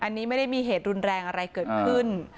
อันนี้ไม่ได้มีเหตุรุนแรงอะไรเกิดขึ้น